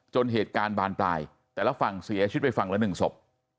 เหตุการณ์บานปลายแต่ละฝั่งเสียชีวิตไปฝั่งละหนึ่งศพ